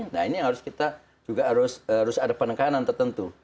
nah ini yang harus kita juga harus ada penekanan tertentu